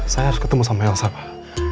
saya harus ketemu sama elsa pak